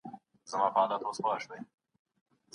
د کمزوري عاقبت